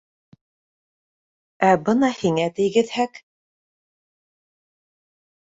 Ә бына һиңә тейгеҙһәк...